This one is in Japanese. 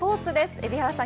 海老原さん